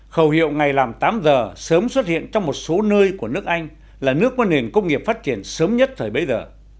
khẩu hiệu ngày làm tám giờ sớm xuất hiện trong một số nơi của nước anh là nước có nền công nghiệp phát triển sớm nhất thời bấy giờ